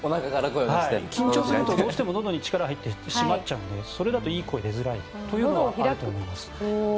緊張するとどうしてものどに力が入って閉まっちゃうのでそれだと声が出づらいというのはあると思います。